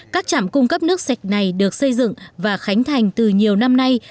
các trạm cung cấp nước sạch này được xây dựng và khánh thành từ nhiều năm nay